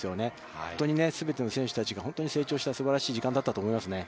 本当に全ての選手たちが本当に成長したすばらしい時間だったと思いますね。